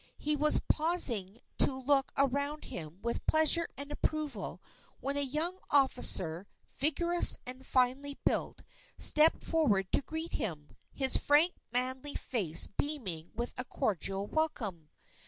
He was pausing to look around him with pleasure and approval, when a young officer, vigorous and finely built, stepped forward to greet him, his frank manly face beaming with a cordial welcome.